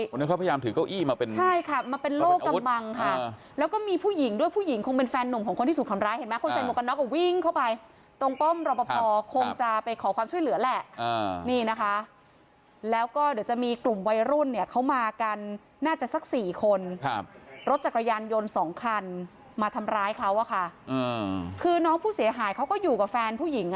วันนั้นเขาพยายามถือเก้าอี้มาเป็นใช่ค่ะมาเป็นโลกกำบังค่ะแล้วก็มีผู้หญิงด้วยผู้หญิงคงเป็นแฟนหนุ่มของคนที่ถูกทำร้ายเห็นไหมคนใส่หมวกกันน็อกวิ่งเข้าไปตรงป้อมรอปภคงจะไปขอความช่วยเหลือแหละนี่นะคะแล้วก็เดี๋ยวจะมีกลุ่มวัยรุ่นเนี่ยเขามากันน่าจะสักสี่คนครับรถจักรยานยนต์สองคันมาทำร้ายเขาอะค่ะคือน้องผู้เสียหายเขาก็อยู่กับแฟนผู้หญิงอ่ะ